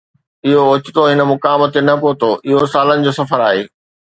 اهو اوچتو هن مقام تي نه پهتو، اهو سالن جو سفر آهي.